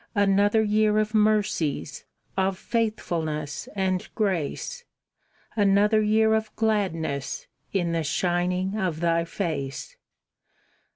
Another year of mercies, Of faithfulness and grace; Another year of gladness In the shining of Thy face.